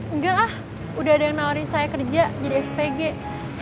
enggak ah udah ada yang nawarin saya kerja jadi spg